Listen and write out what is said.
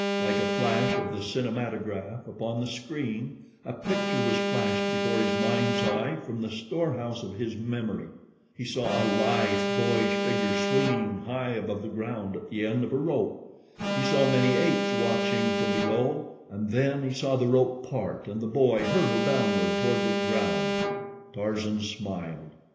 Like a flash of the cinematograph upon the screen, a picture was flashed before his mind's eye from the storehouse of his memory. He saw a lithe, boyish figure swinging high above the ground at the end of a rope. He saw many apes watching from below, and then he saw the rope part and the boy hurtle downward toward the ground. Tarzan smiled.